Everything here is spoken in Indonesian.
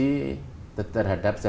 kami mempunyai toleransi